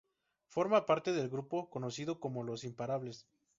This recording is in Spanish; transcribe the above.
Forma parte del grupo conocido como los "Imparables".